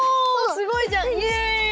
すごいじゃん！